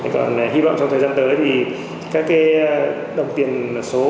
còn hy vọng trong thời gian tới thì các cái đồng tiền số